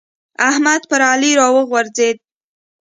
احمد پر علي راغورځېد.